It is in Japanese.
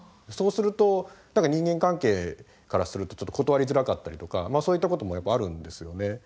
そうすると人間関係からすると断りづらかったりとかそういったこともやっぱあるんですよね。